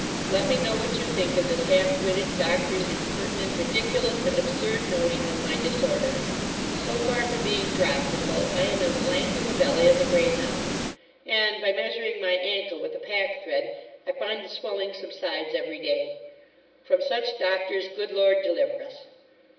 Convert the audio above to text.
Let me know what you think of this half witted Doctor's impertinent, ridiculous, and absurd notion of my disorder So far from being dropsical, I am as lank in the belly as a grey hound; and, by measuring my ancle with a pack thread, I find the swelling subsides every day. From such doctors, good Lord deliver us!